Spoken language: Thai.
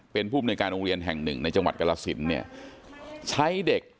เป็นผู้มนุยการโรงเรียนแห่งหนึ่งในจังหวัดกรสินเนี่ยใช้เด็ก